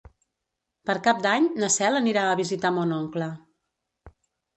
Per Cap d'Any na Cel anirà a visitar mon oncle.